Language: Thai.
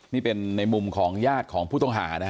นี่เป็นในมุมของญาติของผู้ต้องหานะฮะ